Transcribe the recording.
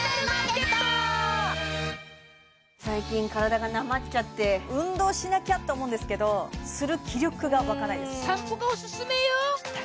最近体がなまっちゃって運動しなきゃと思うんですけどする気力がわかないです